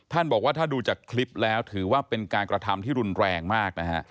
บอกว่าถ้าดูจากคลิปแล้วถือว่าเป็นการกระทำที่รุนแรงมากนะฮะ